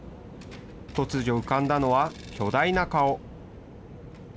突如浮かんだのは巨大な顔。